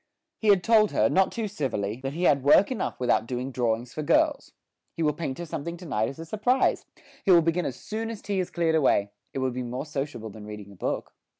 He had told her, not too civilly, that he had work enough without doing drawings for girls. He will paint her something to night as a surprise; he will begin as soon as tea is cleared away; it will be more sociable than reading a book.